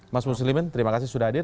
mas muslimin terima kasih sudah hadir